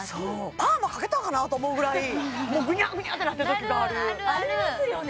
パーマかけたんかな？と思うぐらいもうぐにゃぐにゃってなってるときがあるありますよね